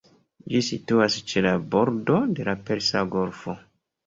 Ĝi situas ĉe la bordo de la Persa Golfo.